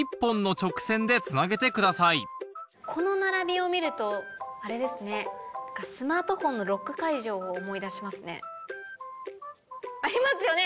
この並びを見るとあれですねスマートフォンのロック解除を思い出しますね。ありますよね？